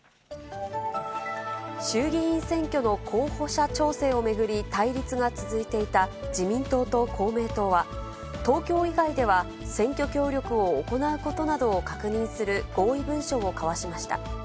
衆議院選挙の候補者調整を巡り対立が続いていた自民党と公明党は、東京以外では選挙協力を行うことなどを確認する合意文書を交わしました。